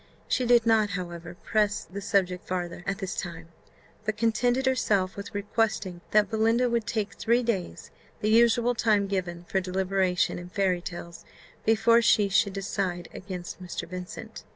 She did not, however, press the subject farther at this time, but contented herself with requesting that Belinda would take three days (the usual time given for deliberation in fairy tales) before she should decide against Mr. Vincent.